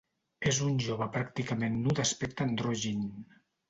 És un jove pràcticament nu d'aspecte androgin.